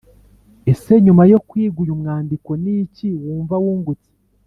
Ese nyuma yo kwiga uyu mwandiko ni iki wumva wungutse